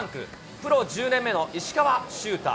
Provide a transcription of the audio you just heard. プロ１０年目の石川柊太。